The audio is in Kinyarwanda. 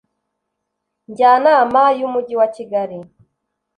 njyanama y umujyi wa kigali